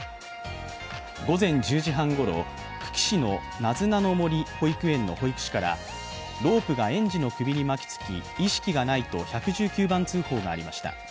午前１０時半ごろ、久喜市のなずなの森保育園の保育士からロープが園児の首に巻きつき意識がないと１１９番通報がありました。